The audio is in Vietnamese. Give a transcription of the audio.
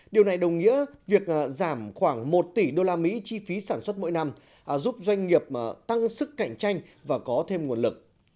điều này đồng nghĩa việc giảm khoảng một tỷ usd chi phí sản xuất mỗi năm giúp doanh nghiệp tăng sức cạnh tranh và có thêm nguồn lực